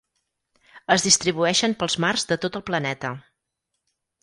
Es distribueixen pels mars de tot el planeta.